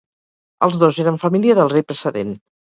Els dos eren família del rei precedent.